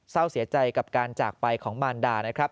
เศร้าเสียใจกับการจากไปของมารดานะครับ